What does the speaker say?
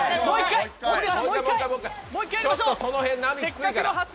ちょっとその辺、波きついから。